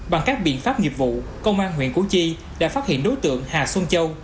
bằng các biện pháp nghiệp vụ công an huyện củ chi đã phát hiện đối tượng hà xuân châu